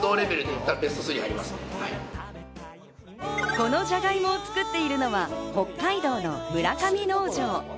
このじゃがいもを作っているのは北海道の村上農場。